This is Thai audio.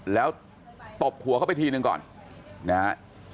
แล้วตบหัวเข้าไปทีนึงก่อนนะฮะ